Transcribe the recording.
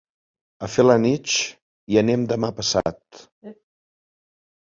A Felanitx hi anem demà passat.